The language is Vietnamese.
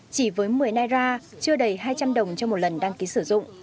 chỉ với một mươi naira chưa đầy hai trăm linh đồng cho một lần đăng ký sử dụng